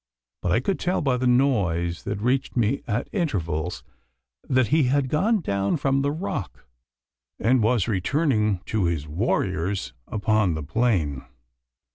But I could tell by the noise that reached me at intervals, that he had gone down from the rock, and was returning to his warriors upon the plain.